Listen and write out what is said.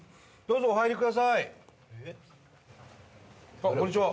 あっこんにちは。